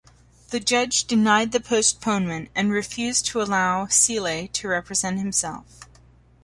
The Judge denied the postponement, and refused to allow Seale to represent himself.